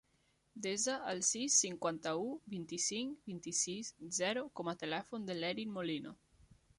Desa el sis, cinquanta-u, vint-i-cinc, vint-i-sis, zero com a telèfon de l'Erin Molino.